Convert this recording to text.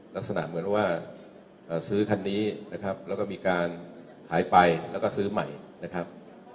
ลักษณะเหมือนว่าซื้อคันนี้นะครับแล้วก็มีการหายไปแล้วก็ซื้อใหม่นะครับ